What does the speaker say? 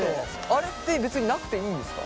あれって別になくていいんですか？